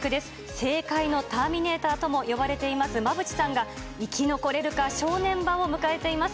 政界のターミネーターとも呼ばれています馬淵さんが、生き残れるか、正念場を迎えています。